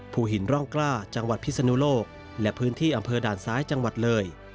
ภูหินร่องกล้าจังหวัดพิศนุโลกและพื้นที่อำเภอด่านซ้ายจังหวัดเลย